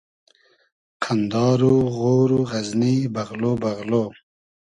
قئندار و غۉر و غئزنی بئغلۉ بئغلۉ